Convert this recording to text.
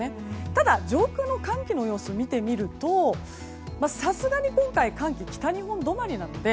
ただ、上空の寒気の様子を見てみるとさすがに今回寒気、北日本止まりなので